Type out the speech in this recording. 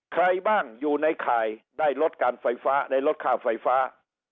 ใครบ้างอยู่ในข่ายได้ลดการไฟฟ้าได้ลดค่าไฟฟ้า